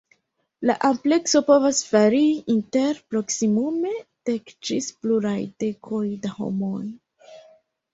La amplekso povas varii inter proksimume dek ĝis pluraj dekoj da homoj.